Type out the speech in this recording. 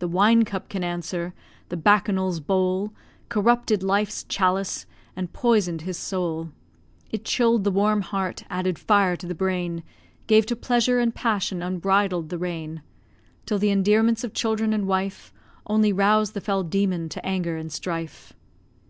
The wine cup can answer. The Bacchanal's bowl Corrupted life's chalice, and poison'd his soul. It chill'd the warm heart, added fire to the brain, Gave to pleasure and passion unbridled the rein; Till the gentle endearments of children and wife Only roused the fell demon to anger and strife.